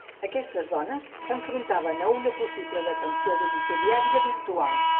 Aquestes dones s'enfrontaven a una possible detenció domiciliària virtual.